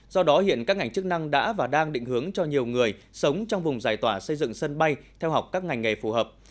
do đó hiện các ngành chức năng đã và đang định hướng cho nhiều người sống trong vùng giải tỏa xây dựng sân bay theo học các ngành nghề phù hợp